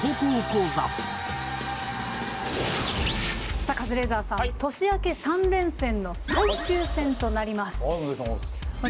さあカズレーザーさん年明け３連戦の最終戦となります。